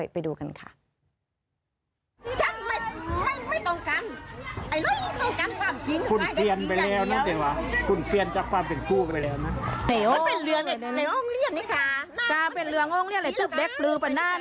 เป็นเรือในในโรงเรียนนี่ค่ะเป็นเรือโรงเรียนอะไรตื๊บแดกปลือป่านนั้น